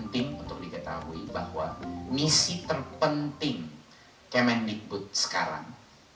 diketahui bahwa misi terpenting ke mendikbud sekarang